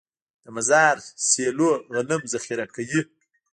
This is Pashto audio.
د مزار سیلو غنم ذخیره کوي.